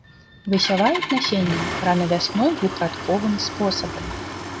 Высяваюць насенне рана вясной двухрадковым спосабам.